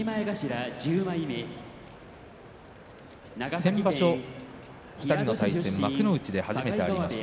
先場所、２人の対戦は幕内で初めてありました。